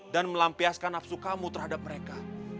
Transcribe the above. dan melampiaskan nafsu kamu terhadap mereka